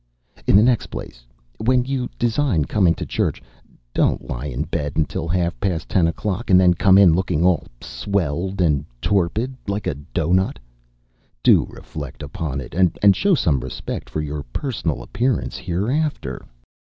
In the next place when you design coming to church, don't lie in bed until half past ten o'clock and then come in looking all swelled and torpid, like a doughnut. Do reflect upon it, and show some respect for your personal appearance hereafter.